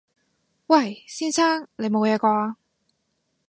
喂！先生！你冇嘢啩？